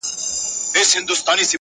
یانې انا وه